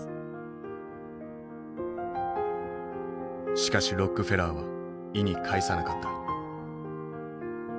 しかしロックフェラーは意に介さなかった。